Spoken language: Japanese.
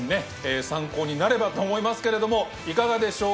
参考になればと思いますけれどもいかがでしょうか？